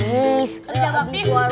abis ke warung